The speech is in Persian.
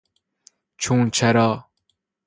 چونچرا